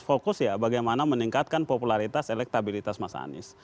fokus ya bagaimana meningkatkan popularitas elektabilitas mas anies